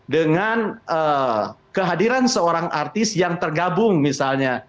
dengan kehadiran seorang artis yang tergabung misalnya